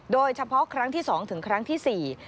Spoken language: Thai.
โดยเฉพาะครั้งที่สองถึงครั้งที่๔